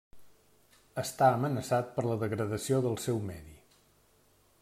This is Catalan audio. Està amenaçat per la degradació del seu medi.